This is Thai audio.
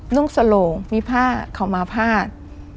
นุ่งสโหลงมีผ้าเขามาพาด